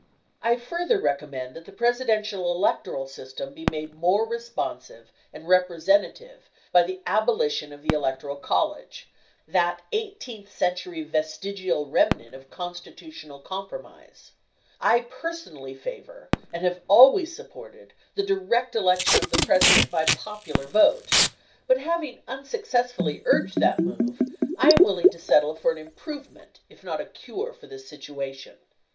I further recommend that the Presidential electoral system be made more responsive and representative by the abolition of the electoral college, that 18th century vestigial remnant of constitutional com promise. I personally favor and have always supported the direct election of the President by popular vote, but having unsuccessfully urged that move, I am willing to settle for an improvement if not a cure for this situation.